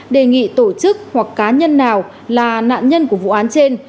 đề nghị tổ chức hoặc cá nhân nào là nạn nhân của vụ án trên